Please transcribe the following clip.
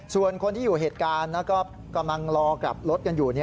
ส่วนคนที่อยู่เหตุการณ์ก็กำลังรอกลับรถกันอยู่